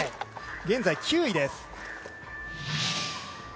現在９位です。